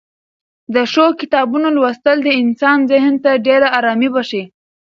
د ښو کتابونو لوستل د انسان ذهن ته ډېره ارامي بښي.